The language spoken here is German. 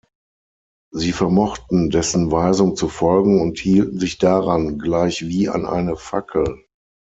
Sie vermochten dessen Weisung zu folgen und hielten sich daran gleichwie an eine Fackel.